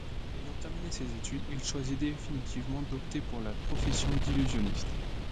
Ayant terminé ses études, il choisit définitivement d'opter pour la profession d’illusionniste.